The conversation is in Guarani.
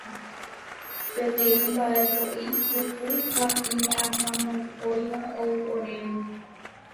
Peteĩ mba'e po'i, puku ha iñakãmokõiva ou oréve.